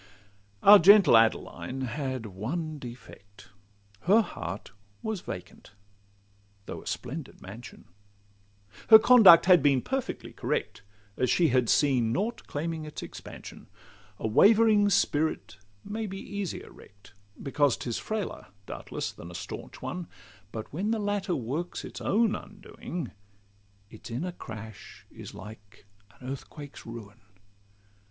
Our gentle Adeline had one defect— Her heart was vacant, though a splendid mansion; Her conduct had been perfectly correct, As she had seen nought claiming its expansion. A wavering spirit may be easier wreck'd, Because 'tis frailer, doubtless, than a stanch one; But when the latter works its own undoing, Its inner crash is like an earthquake's ruin.